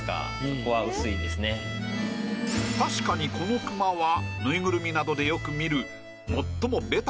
確かにこのクマはぬいぐるみなどで。